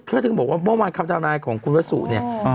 เพื่อถึงบอกว่าบ้างวันคำจ่าวนายของคุณวัศุเนี่ย